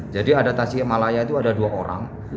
jadi ada tasik malaya itu ada dua orang